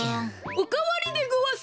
おかわりでごわす！